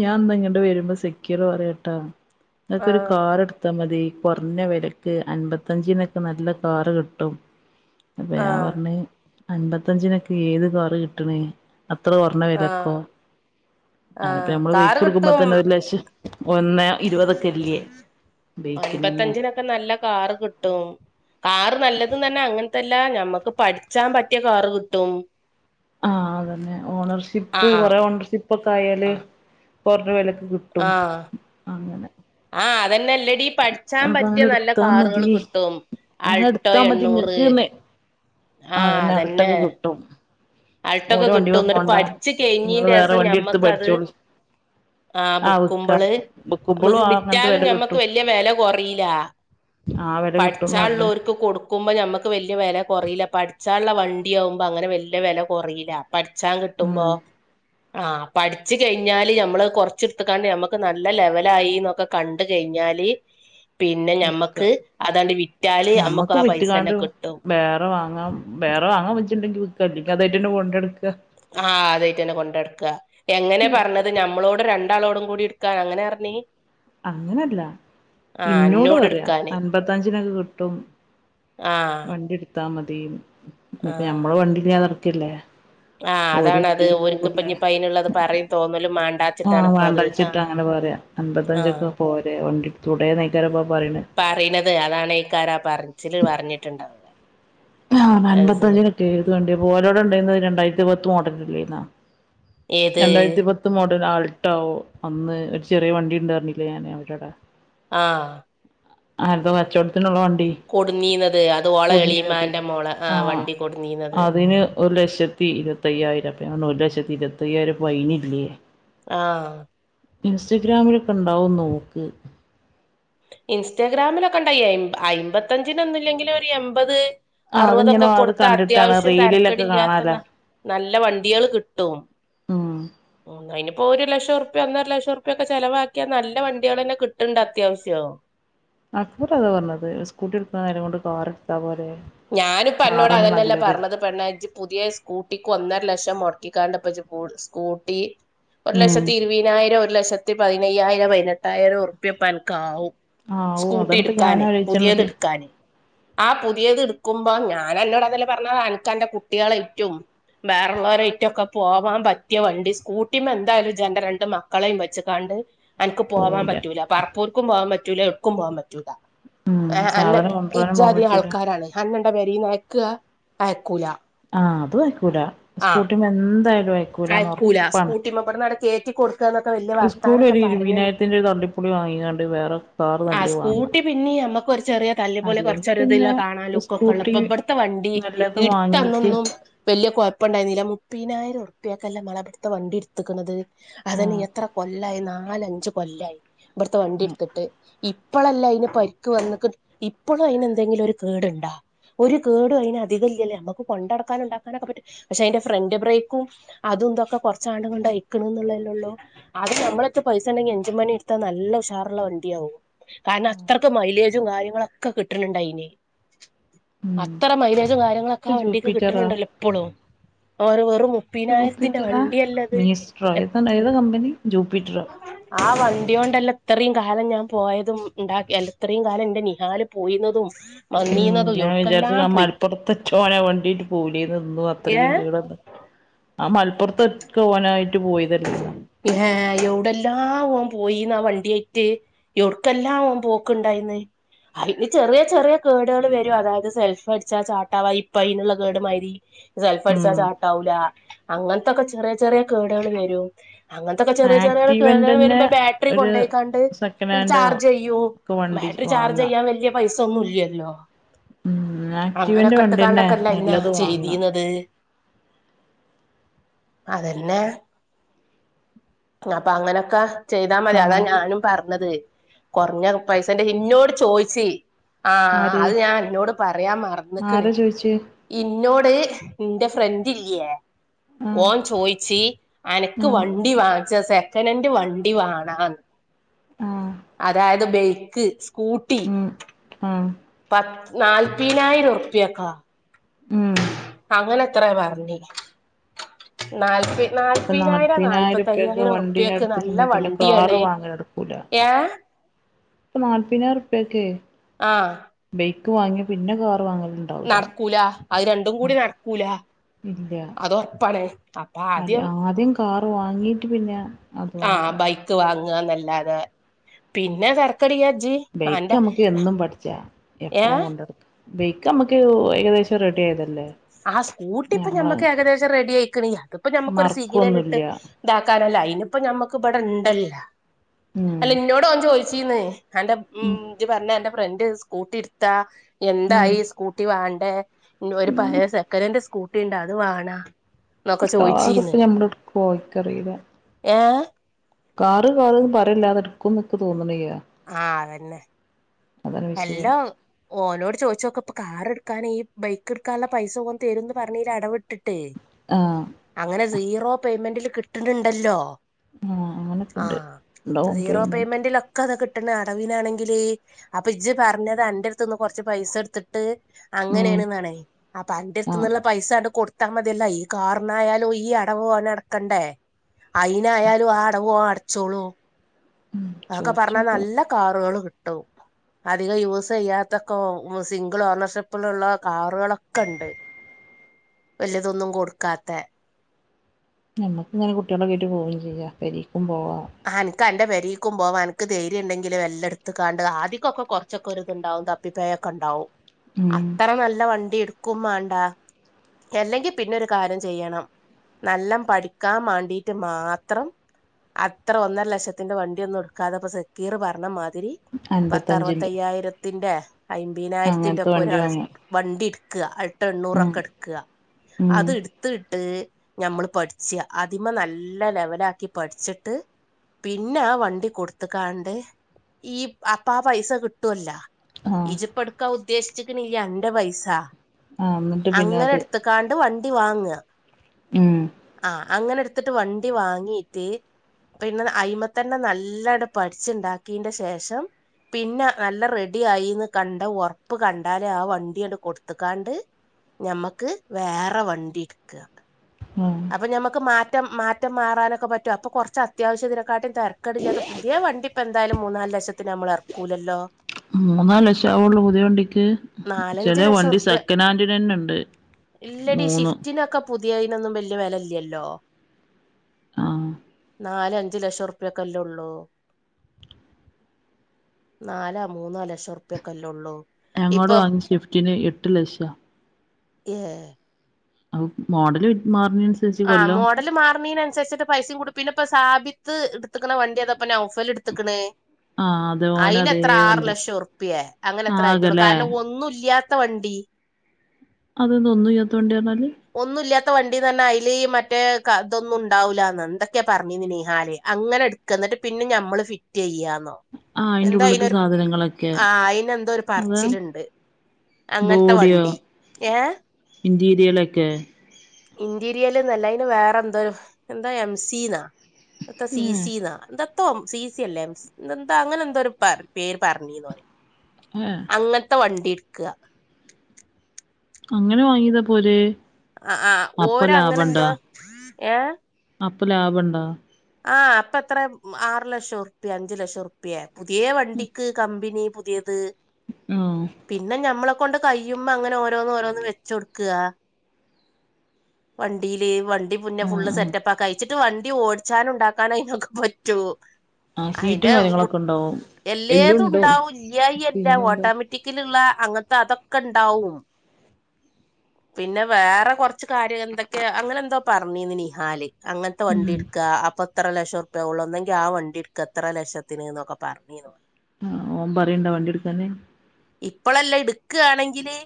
ഞാൻ ഇന്ന് ഇങ്ങേട്ട്‌ വരുമ്പോ സക്കീറ് പറയാട്ടോ നിങ്ങക്ക് ഒരു ആഹ് കാർ എടു [unintelligible] മതി കുറഞ്ഞ വിലക്ക് അൻപത്തഞ്ചിനൊക്കെ നല്ല കാറ് കിട്ടും. അപ്പം ഞാൻ ആഹ് പറഞ്ഞെ അൻപത്തഞ്ചിനൊക്കെ ഏത് കാറ് കിട്ടണെ അത്ര കെറഞ്ഞ വിലക്കോ. ആഹ് ആതു ആഹ് പിന്നെ നമ്മള് വയ്പ്പ് കാറ് കൊടുക്കുമ്പോ കിട്ടും തന്നെ ഒരു ലക്ഷം. ഒന്ന് ഇരുപതൊക്കെയില്ല്യ ബയക്കിന് തന്നെ അൻപത്തഞ്ചിനൊക്കെ നല്ല കാറ്കിട്ടും കാറ്നല്ല ത്‌നഅങ്ങന ല്ല. നമ്മക്ക് പഠിച്ചാൻ പറ്റിയ കാറ് കിട്ടും. ആഹ് അതതന്നെ ഓണർഷിപ്പ് ആഹ് കുറെ ഓണർഷിപ്പ് ഒക്കെ ആയാല് കെറഞ്ഞ വെലക്ക് കിട്ടും. ആഹ് അങ്ങനെ ആഹ് അതന്നെല്ലടി പട് യിച്ചാൻ അപ്പൊ പറ്റിയ അങ്ങനെ നല്ല എടുത്താ മതി കാറുകൾ കിട്ടും അങ്ങനെ ആൾട്ടോ എടുത്താ മതി എണ്ണൂറ്. ഇങ്ങക്ക്ന്ന് ആഹ് അതന്നെ അടുത്തൊക്കെ കിട്ടും അൾട്ടൊക്കെ ഓലെ കിട്ടും വണ്ടിമ്മെ എന്നിട്ട് പോണ്ട പഠിച്ചു നിങ്ങള് കഴിഞ്ഞീന്റെ വേറെ അസം വണ്ടി എടുത്ത് നമ്മക്കത്. പഠിച്ചോളി ആഹ് ആ വിക്ക ബുക്കുമ്പള് വിക്കുമ്പോളും ആ അങ്ങനത്തെ വിറ്റാലും വില നമ്മക്ക് കിട്ടും വല്യ വെല കെറിയില ആ വില കിട്ടുംന്ന് പറഞ്ഞ് പഠിച്ചാലോൾക്ക് കൊടു ക്കുമ്പോ നമ്മക്ക് വല്യയാ വെല കെറയില്ല പഠിച്ചാലുള്ള വണ്ടിയോ ആകുമ്പോ അങ്ങനെ വല്യയ വെല കെറയില്ല. പഠിച്ചൻ കിട്ടുമ്പോ ഉം ആഹ് പഠിച്ച് കഴിഞ്ഞാല് നമ്മള് കൊറച്ചെടുത്ത് നമ്മക്ക് നല്ല ലെവലായിന്നൊക്കെ കണ്ട കഴിഞ്ഞാല് പിന്നെ വിക്ക നമ്മക്ക് അതാണ്ട് വിറ്റാല് നമ്മക്ക് ഞമ്മക്ക് ആ പൈസ തന്നെ വിറ്റ്കാണ്ട് കിട്ടും. വേറെ വാങ്ങാം വേറെ വാങ്ങാൻ വെച്ചണ്ടെങ്കിൽ വിക്ക അല്ലെങ്കി അത് ഏട്ടന്റെ ഫോണിൽ എടുക്ക. ആഹ് അതായിട്ട് തന്നെ കൊണ്ടെടുക എങ്ങനെ പറഞ്ഞത് നമ്മളോട് ര എങ്ങളോടും കൂടി ഇക്ക എങ്ങനെ എറന്നി അങ്ങനല്ല ഇന്നോട് എന്നോട് പറയാ എടുക്കാന് അൻപത്തഞ്ചിനൊക്കെ കിട്ടും ആഹ ട്ത്താ മതീന്ന് ഇപ്പ ഞമ്മള് വണ്ടി ഇല്ല്യാതെടക്കല്ലേ ആഹ് അതാണത് ഒരുക്ക്പ്പഞ്ഞ്പ്പയ്ന്ള്ളത് പറിം തോന്നലും മാണ്ടാ ആഹ് വേണ്ടാഴ്ച്ചിട്ട് അങ്ങനെ പറയാ ആഹ് അൻപത്തഞ്ചൊക്കെ പോരെ വണ്ടിട്ത്തൂടെന്നെയിക്കാരപ്പാ പറിണെ പറയുന്നത് അതാണ് ഈക്കാരാ പറച്ചില് പറഞ്ഞിട്ടുണ്ടാവുക. ആഹ് അത് ശരി അൻപത്തഞ്ചിനൊക്കെ ഏത് വേണ്ടിയപ്പോ ഓലൊടെ ഇണ്ടായിന്നത് രണ്ടായിരത്തി പത്ത് മൊഡല് അല്ലെന്നോ ഏത് രണ്ടായിരത്തി പത്ത് മോഡൽ ആൾട്ടോവും അന്ന് ഒരു ചെറിയ വണ്ടിണ്ട്റഞ്ഞിലെ ഞാന് അവര്ടെ ആഹ് ആര്തോ കച്ചോടത്തിനുള്ള വണ്ടി കൊടുന്നീന്നത് അത് ഓള കൊടുന്നീന്നത് എളീമാന്റെ മോള ആ ആഹ് വണ്ടി കൊടുന്നീന്നത് അതിന് ഒരു ലക്ഷ പി ഇരുവത്തയ്യായിരറ്പ്യ ഞാൻ പറഞ്ഞ് ഒരു ലക്ഷത്തി ഇരുപത്തയ്യായിരം ഫൈനില്ലെ ആഹ് ഇൻസ്റ്റഗ്രാമിലൊക്കെണ്ടാവും നോക്ക് ഇൻസ്റ്റാഗ്രാമിലൊക്കെണ്ടായി അയി അയിമ്പത്തഞ്ചിനൊന്നും ഇല്ലെങ്കിലും ഒരു എബത് ആഹ് അതിങ്ങനെ അറുപതൊക്കെ അത് കൊടുത്ത കണ്ടിട്ടാണ് അത്യാവശ്യം റീലിലൊക്കെ തെരക്കടില്ലാത്ത കാണാലോ ന നല്ല വണ്ടികൾ കിട്ടും ആഹ് അയിനിപ്പോ ഒരു ലക്ഷം റൂപ്യ ഒന്നര ലക്ഷംറുപ്യക്കെ ചിലവാക്കിയാ നല്ല വണ്ടികൾ തന്നെ കിട്ടണ്ടണ്ട് അത്യാവശ്യോ അക്ബർ അതാ പറഞ്ഞത് സ്കൂട്ടി എടുക്കുന്ന നേരം കൊണ്ട് കാർ എടുത്താ പോരെ ഞാനിപ്പ അന്നോട് കാറാണ് അതന്നെല്ല നല്ലത് പറഞ്ഞത് പെണ്ണെ ജ് പുതിയ സ്കൂട്ടിക്ക് ഒന്നര ലക്ഷം മുടക്കിക്കാണ്ട്പ്പജ്ജ് സ് സ്കൂട്ടി ഒരു ഉം ലക്ഷത്തി ഇരുപതിനായിരം ഒരു ലക്ഷത്തി പതിനയ്യായിരം പതിനെട്ടായിരം ഉറപ്പിയപ്പ അനക്ക് ആവും. ആഹ് ഓ അതാണിപ്പ ഞാൻ സ്കൂട്ടിട്ക്കാന് ആലോചിച്ചണത് പുതിയത്ട്ക്കാന് ആ പുതിയത് എടു ക്കുമ്പോ ഞാന് അന്നോട് അതല്ലെ പറഞ്ഞത് അനക്ക്ന്റെ കുട്ട്യളെയ്റ്റും ബേറലോരേറ്റൊക്കെ പോവാൻ പറ്റിയ വണ്ടി സ്കൂട്ടിമെ എന്തായാലും ജന്റെ രണ്ട് മ മക്കളേം വെച്ച്ക്കാണ്ട് അന്ക്ക് പോവാൻ പോവൂല പറ്റൂല പർപ്പൂർക്കും പോവാൻ പറ്റൂല്ല എവ്ട്ക്കും പോവാൻ പറ്റൂല ഉം ആ അന്ന സാധനം കൊണ്ടുവരാനും പോകാൻ ഇജാതി പറ്റൂല ആൾക്കാരാണ്. അന്നെണ്ടോ പേരിന്നയക്ക അയക്കൂല ആഹ് അതു അയ്ക്കൂല ആഹ് സ്കൂട്ടിമേ എന്തായാലും അയക്കു അയക്കൂല സ്കൂട്ടിമ്മ ഇബട്ന്നാണ്ട് കേറ്റി കൊട് അന്നോക്കെ വലിയ വർത്താനം സ്കൂളി ഒക്കെ ഒരു പറഞ്ഞ്. ഇരുപതിനായിരത്തിന്റെ ഒരു തള്ളിപ്പൊളി വാങ്ങിക്കാണ്ട് വേറെ കാറ് ആ നല്ലത് വാങ്ങാ സ്കൂട്ടി പിന്നേയും ഞമ്മ ഇപ്പൊരു ചെറിയ തല്ലി പൊളി അല്ലെങ്കി കൊറച്ചൊര്ത്ള്ള പിന്നെ കാണാൻ ലുക്കോക്കെള്ള സ്കൂട്ടി ഇപ്പൊ ഇബട്ത്തെ വണ്ടി നല്ലത് വാങ്ങീട്ട് ഇട്ത്തന്നൊന്നും വെല്ല്യ കുഴപ്പണ്ടായിന്നില്ല മുപ്പിനായിറുപ്പിയൊക്കെല്ലേ മളപടുത്ത വണ്ടി എടുത്തക്കണുന്നത് അതന്നെ ആഹ് എത്ര കൊല്ലായി നാലഞ്ച് കൊല്ലായി ഇബട്ത്തെ വണ്ടിട്ത്ത്ട്ട് ഇപ്പളല്ലേ അയിന് പരിക്ക് വന്ന്ക്ക് ഇപ്പളും അയിന് എന്തെങ്കിലും ഒരു കേട്ണ്ടാ ഒരു കേടും അയിനതിക ഇല്ല്യല്ലോ നമ്മക്ക് കൊണ്ടടക്കാനും ഇണ്ടാക്കാനൊക്കെ പറ്റും പക്ഷെ അയിന്റെ ഫ്രണ്ട് ബ്രേക്കും അതും ഇന്തൊക്കെ കൊറച്ചാണ്ട് ആണ്ടുംഇണ്ടോക്കെ അയിക്ക്ണ്ന്നല്ലോള്ളൂ അത് നമ്മളട്ത്ത് പൈസണ്ടെങ്കി എഞ്ചി പണിട്ത്ത നല്ല ഉഷാറ്ള്ള വണ്ട്യാവും കാരണം അത്രക്ക് മൈലേജും കാര്യങ്ങളൊക്കെ കിട്ട്ണണ്ടയിന് ഉം അത്ര മൈലേജും കാര്യങ്ങളൊക്കെ ആ വണ്ടിക്ക് ജൂപ്പിറ്ററാ കിട്ടുന്നുണ്ടല്ലോപ്പളും അവ വെറും മുപ്പതിനായിരത്തിന്റെ ജൂപ്പീറ്ററാ വണ്ടിയല്ലത് മീസ്ട്രോ ഏത ഏതാ കമ്പനി ജൂപ്പിറ്ററോ ആ വണ്ടിയൊണ്ടല്ലേ ഇത്രീം കാലം ഞാൻ പോയതും ഇണ്ടാ അല്ല ഇത്രീം കാലം ഇന്റെ നിഹാല് പോയീന്നതും ഉം ഞാൻ വിചാരിച്ച് ആ മലപ്പുറത്തച്ചോനെ വണ്ടി ആയിറ്റ് പോവൂലെ നിന്നു അത്രേയും കേട്ന്ന ആഹ ആ മലപ്പുറത്തെക്കെ ഓനായിട്ട് പോയിതല്ലേന്നോ ഏഹ് എവുടെല്ലാം ഓൻ പോയിന്നാവണ്ട്യായിറ്റ് എവുട്‌ക്കെല്ലാം ഓൻ പോക്ക്ണ്ടായിന്നേ അതിന് ചെറിയ ചെറിയ കേടുകൾ വരും അതായത് സെൽഫ് അടിച്ചാ ചാട്ടാവാ ഇപ്പ അതിനുള്ള കേട് മാതിരി സെൽഫ് അടിച്ചാ ഉം ചാട്ടാവൂല അങ്ങനത്തൊക്കെ ചെറിയ ചെറിയ കേടേള് വരും അങ്ങനത്തെക്കെ ചെറിയ ചെറിയ കേടുകൾ ആക്റ്റീവന്റെന്നെ വരുമ്പോ ബാറ്ററി ഒരു കൊണ്ടുപോയിക്കാണ്ട് സെക്കൻഡ് ഹാൻഡോ ചാർജ് ചെയ്യുവോ ഒക്കെ വണ്ടി ബാറ്ററി ചാർജ് വാങ്ങാ ചെയ്യാൻ വലിയ പൈസ ഒന്നും ഇല്ലല്ലോ ഉം ആക്റ്റീവന്റെ അങ്ങനെക്കെ ഇട്ട് വണ്ടിന്നെ കാണ്ടക്കെല്ലയിന്നോ നല്ലത് വാങ്ങാ ചെയ്യിപ്പിക്കുന്നത് അതന്നെ അപ്പോ അങ്ങനെയെക്കെ ചെയ്താ മതി അതാ കാറ് ഞാനും പറഞ്ഞത് കുറഞ്ഞ പൈസന്റെ ഇഞ്ഞോട് ചോദിച്ച് ആ ആര് അത് ഞാൻ നിന്നോട് പറയാൻ മറന്നേക്കണ് ആരാ ചോയിച്ചേ ഇന്നോട് ഇന്റെ ഫ്രണ്ടിലിയെ ആഹ് ഓൻ ചോയിച്ച് എനക്ക് ആഹ് വണ്ടി വാങ്ങിച്ച്താ സെക്കന്റ്ൻഡ് വണ്ടി വാണന്ന് ആഹ് അതായത് ബൈക്ക് സ്കൂട്ടി ഉം ഉം പത്ത് നാൽപ്പതിനായിരം ഉറുപ്പ്യക്കാ മം ഓൻ എത്ര പറഞ്ഞന് നാല്പ് ഇപ്പൊ നാല്പ്പതിനായിരം നാല്പതിനായിരം ഉറുപ്പ്യക്ക് നാല്പത്തയ്യായിരം വണ്ടി ഞാൻ ഉറുപ്പ്യക്കെ നല്ല എടുത്തിട്ടുണ്ടെങ്കിൽ പിന്നെ കാറ് വണ്ടിയാണ് വാങ്ങല് ഏ നാൽപതിനായിരം റുപ്പിയൊക്കെ ആ ബൈക്ക് വാങ്ങി പിന്നെ കാർ വാങ്ങല നടക്കൂല അത് രണ്ടും കൂടി നടക്കൂല ഇല്ല അത് ഉറപ്പാണ് അപ്പോ ആദ്യം കാർ വാങ്ങീട്ട് പിന്നെ അത് ആ വാങ്ങാ ബൈക്ക് വാങ്ങുക എന്നല്ലാതെ പിന്നെ ചെറുക്കൻ വിചാരിച്ച് ബൈക്ക് നമുക്ക് എന്നും പഠിച്ചാ ഏ എപ്പഴും കൊണ്ടുക്ക. ബൈക്ക് നമ്മുക്ക് ഏകദേശം റെഡി ആയതല്ലേ ആ സ്കൂട്ടി ഇപ്പോ ഞമ്മള് ഞമ്മക്ക് ഏകദേശം റെഡി ആയിക്കണ് അതിപ്പോ നമ്മക്കൊരു സിഗ്നൽ ഇട്ട് മറക്കൊന്നുല്ല ഇതാക്കാനല്ല അയിനിപ്പോ നമ്മക്ക് ഇവിടെ ഉണ്ടല്ലോ ഉം അല്ല ഇന്നോടും അവൻ ചോയിച്ചീന്ന് എന്റെ ഉം ഇജ് പറഞ്ഞ എന്റെ ഫ്രണ്ട് സ്കൂട്ടി എടുത്താ ഉം എന്തായി സ്കൂട്ടി വേണ്ടേ ഒരു പഴയ സെക്കൻഡന്റെ സ്കൂട്ടി ഉണ്ട് അത് വേണാ കാർ ഇപ്പോ ഞമ്മടെ കോയിക്കറിലാ ഏ കാറ് കാറന്നു പറയല്ലേ അതെടുക്കുന്ന് എനിക്ക് തോന്നുന്നില്ല ആഹ് അതന്നെ വിഷയം എല്ലോം ഓനോട് ചോദിച്ച് നോക്ക് ഇപ്പോ കാർ എടുക്കാന് ഈ ബൈക്ക് എടുക്കാനുള്ള പൈസ ഓൻ തരുന്ന് പറഞ്ഞില്ലേ ഇടവിട്ട് ട്ട് ആഹ് അങ്ങനെ സീറോ പേയ്മെന്റില് കിട്ടണുണ്ടല്ലോ ആഹ് അങ്ങനൊക്കെ ആ ഉണ്ട് ഡൗൺ സീറോ പേയ്മെന്റ് പേയ്മെന്റിലൊ ഇക്ക് അത് കിട്ടണ അടവിനാണെങ്കില് അപ്പോ ഇജ് പറഞ്ഞത് അന്റെ അടുത്തന്ന് കൊറച്ച് പൈസ എടുത്തിട്ട് ഉം അങ്ങനെയാണെന്നാണേ അപ്പോ അന്റെ ആഹ് അടുത്ത്ന്നുള്ള പൈസആണ്ട് കൊടുത്താ മതിയല്ലോ ഈ കാറിനായാലും ഈ അടവും അവന് അടക്കണ്ടേ അയിനായാലും ആ അടവു ഓൻ അടച്ചോളും ഉം അതൊക്കെ പറഞ്ഞാ ചോദിച്ചോക്കാം നല്ല കാറുകള് കിട്ടും അധികം യൂസ് ചെയ്യാത്തതൊക്കെ സിംഗിൾ ഓണർഷിപ്പിലുള്ള കാറുകളൊക്കെ ഉണ്ട് വലിയതൊന്നും കൊടുക്കാത്തെ നമ്മുക്ക് ഇങ്ങനെ കുട്ടികളുടെവീട്ടിൽ പോവുകയും ചെയ്യാം പെരീക്കും പോവാം ആ അനക്ക് അന്റെ പെരീക്കും പോവാം നിനക്ക് ധൈര്യം ഉണ്ടെങ്കില് എല്ലാം എടുത്തക്കാണ്ട് ആദ്യക്കൊ ക്കെ കൊറ കൊറച്ചക്കെ ഒരു ഇത് ഉണ്ടാവും തപ്പിപ്പയൊക്കെ ഉണ്ടാവും ഉം അത്ര നല്ല വണ്ടി എടുക്കും വേണ്ടാ അല്ലെങ്കിൽ പിന്നെ ഒരു കാര്യം ചെയ്യണം നല്ല പഠിക്കാൻ വേണ്ടീട്ട് മാത്രം അത്ര ഒന്നര ലക്ഷത്തിന്റെ വണ്ടി ഒന്നും എടുക്കാതെ ഇപ്പോ സെക്കീർ പറഞ്ഞ മാതിരി പത്ത് അൻപത്തഞ്ചിന്റെ അറുപത്തയ്യായിരത്തിന്റെ അയമ്പതിനായിരത്തിറ അങ്ങനത്തെ ഒക്കെ വണ്ടി ഒരാൾ വാങ്ങാം വണ്ടി ഇട്ക്കാ അൾട്ടോ ഉം എണ്ണൂറൊക്കെ എടുക്കുക ഉം അത് എടുത്തിട്ട് ഞമ്മള് പഠിച്ചാ. അതിമ നല്ല ലെവലാക്കി പഠിച്ച് പിന്നെ ആ വണ്ടി കൊടുത്ക്കാണ്ട് ഈ അപ്പാ പൈസ കിട്ടുവല്ലാ ആഹ് ഇജ്ജ് ഇപ്പ എടുക്കാ ഉദ്ദേശിച്ചിക്ണില്ലേ അന്റെ പൈസ, ആഹ് എന്നിട്ട് പിന്നെ അത് അങ്ങനെട്ത്ത ക്കാണ്ട് വണ്ടി വാങ്ങ. ഉം. ആഹ് അങ്ങനെ ഇട്ത്തിട്ട് വണ്ടി വാങ്ങീട്ട് പിന്നെ അയിമത്തന്നെ നല്ലണ്ട് പഠിച്ച് ണ്ടാക്കീന്റെ ശേഷം പിന്നെ നല്ല റെഡി ആയിന്ന് കണ്ട ഒർപ്പ് കണ്ടാല് ആ വണ്ടിയാണ്ട് കൊടുത്ക്കാണ്ട്. ഞമ്മക്ക് വേറെ വണ്ടി ഇട്ക്ക. ഏഹ് അപ്പം നമ്മക്ക് മാറ്റം മാറ്റം മാറാനൊക്കെ പറ്റും. അപ്പോൾ കുറച്ച് അത്യാവശ്യതിനെക്കാട്ടി തിരക്കേട് ഇല്ലാതെ പുതിയ വണ്ടി ഇപ്പ എന്തായാലും മൂന്നാല് ലക്ഷത്തിന് നമ്മൾ എറക്കൂലല്ലോ മൂന്നാല് ലക്ഷം ആവുള്ളൂ പുതിയ വണ്ടിക്ക്. നാലഞ്ച് ചില ലക്ഷം വണ്ടി ഉറുപ്യ സെക്കനൻഡി നെന്നെണ്ട്. ഇല്ലടി ഷിഫ്റ്റ് പുതിയെയ്നൊന്നും വല്യ വെല ഇല്ലല്ലോ. ആഹ് നാലഅഞ്ചു ലക്ഷം ഉർപ്പ്യ ഒക്കെ അല്ലേ ഒള്ളൂ. നാലാ മൂന്നൊ ലക്ഷ ഉറുപ്യക്കൊല്ലോള്ളൂ ഞങ്ങളോട് വാങ്ങിയ ഷിഫ്റ്റിന് എട്ട് ലക്ഷാ ഹേ അഹ് മോഡൽ മാറ്ണീന്സ് ആഹ് മോഡല് മാറ്ണീനനുസരിച്ചിട്ട്. പൈസയും കൂടി. പിന്നെ ഇപ്പം സാബിത്ത് എടുതിക്കണ വണ്ടി അതപ്പോ നൗഫൽ എടുത്തക്കണ്. ആഹ് [unintelligible] അയിന് അതേ എത്ര ആറു വണ്ടി ലക്ഷം ഉറുപ്പിയേ അങ്ങനെ എത്രേ ആയിട്ടുള്ളൂ ആകല്ലേ കാരണം ഒന്നും ഇല്ല്യാത്ത വണ്ടി അതന്താ ഒന്നുംയ്യാത്ത വണ്ടിന്ന് പർഞ്ഞാല് ഒന്നും ഇല്ല്യാത്ത വണ്ടി ന്നർഞ്ഞാ അയ് ലീ മറ്റേ ക അതൊന്നും ഉണ്ടാവൂല്ലാന്ന് എന്തൊക്കെ പറഞ്ഞീന്ന് നീഹാല് അങ്ങനെ ഇട്ക്കാ, ന്നിട്ട് പിന്നെ ഞമ്മള് ഫി റ്റെയ്യാന്നോ ആഹ് അയിന്റെ എന്താ ഉള്ളത്തെ അയിനൊരു സാധനങ്ങളൊക്കെ ആഹ് അയിന് എന്തോ ഒരു അതാ പറച്ചില്ണ്ട് അങ്ങൻത്തെ വണ്ടി ഏഹ് ഇൻറീരിയലൊക്കെ ഇന്റീരിയൽന്നല്ല അയിന് വേറെ എന്തോര് എന്താ എംസി ന്നാ എത്താ സി ഏഹ് സി ന്നാ എന്താ തോം സി സി അല്ലേ എന്താ അങ്ങനെ എന്തോ ഒരു പേര് പറഞ്ഞിന്ന് ഓന്. ഏഹ് ഇങ്ങൻത്തെ വണ്ടി ഇട്ക്കാ അങ്ങനെ വാങ്ങിതാ ഇപോര് അ ആഹ് ഓരാ അങ്ങനെ എന്താ ഏഹ് അപ്പ ലാഭണ്ടോ ആഹ് അപ്പൊ എത്രേ ആറ്ലക്ഷം ഉറുപ്പിയേ അഞ്ച് ലക്ഷംഉറപ്പ്യ പുത്യേ വണ്ടിക്ക് കമ്പിനി പുതിയത് ആഹ് പിന്നെ ഞമ്മളെ കൊണ്ട് കയ്യുമ്പോ അങ്ങന ഓരോന്ന് ഓരോന്ന് വെച്ചൊട്ക്കാ വണ്ടിയില് വ വണ്ടി ആഹ് ഫുള്ള് ആഹ് സെറ്റപ്പ് ആക്ക. അയിച്ചിട്ട് വണ്ടി ഓടിച്ചാനും, ഉണ്ടാക്കാനും അയിനൊക്കെ പറ്റും ആഹ് സീറ്റും അയിന്റെ കു [unintelligible] കാര്യങ്ങളൊക്കെ ഉണ്ടാവും എല്ലും എല്ലേതു ഉണ്ടാവും ണ്ടാവും ഇല്ലായില്ല പിന്നെന്താ ഓട്ടാമറ്റി റ്റിക്ക്ല്ള്ള അങ്ങൻത്തെ അതൊക്കെ ണ്ടാവും. പിന്നെ വേറെ കൊറച്ച് കാര്യം എന്തൊക്കെയ അങ്ങനേ ന്തോ പറഞ്ഞീന്ന് നിഹാല് അങ്ങനത്തെ വണ്ടി ഉം ഇട് താ. അപ്പ ത്ര ലക്ഷർപ്യാവൊള്ളൂ. ഒന്നെങ്കി ആ വണ്ടി ഇട്ക്കാ ഇത്ര ലക്ഷത്തിന് ന്നൊക്കെ പർഞ്ഞിന്നു. ആഹ് ഓൻ പറയിണ്ടോ വണ്ടിട്ക്കാന് ഇപ്പളല്ല ഇട്ക്കാണെങ്കില്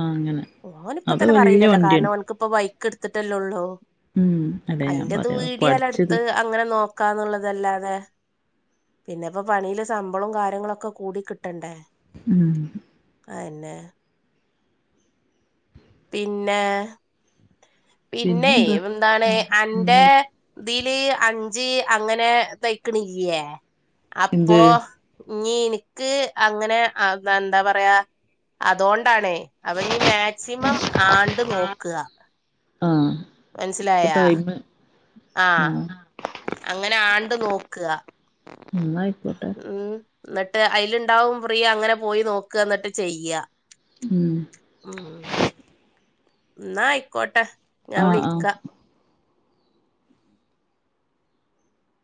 ആഹ് അങ്ങനെ ഓന് അത് ഇപ്പതന്നെ വല്യ പറീല്ലല്ലോ വണ്ടിയാണ് കാരണം ഓൻക്ക്പ്പൊ ബൈക്ക് ഇട്ത്ത്ട്ടല്ലെ ഒള്ളൂ ഉം അതെ [unintelligible] അങ്ങനെ നോക്കാന്നുള്ളതല്ലാതെ പിന്നെപ്പോപണിയില് സമ്പളംകാര്യങ്ങളൊക്കെകൂടികിട്ടണ്ടേ ഉം. അയെന്നെ പിന്നെ പിന്നെയ് പിന്നെന്താ വ്ന്താണ് ആഹ് അന്റെ ന്നായി ഇതില് അഞ്ച് അങ്ങനെ തയ്ക്കണില്ലേ അപ്പൊ എന്ത് ഇഞ്ഞീഇന്ക്ക് അങ്ങനെ അ എന്താപറയാ അതൊണ്ടാണേയ് അപ്പൊഞ്ഞി മാക്സിമംആണ്ട്നോക്ക്അ. ആഹ് ഇപ്പൊ മൻസിലായ ടൈമ് ആഹ് അങ്ങനെ ആണ്ട് നോക്കാ ന്നായിക്കോട്ടെ ഉം. ന്ന്ട്ട് അയിലുണ്ടാവുംഫ്രീ അങ്ങനെപോയി നോക്കാന്ന്ട്ട്ചെയ്യ ഉം ഉം ഇന്നായിക്കോട്ടെ ആഹ് ആഹ് ഞാൻവിളിക്ക.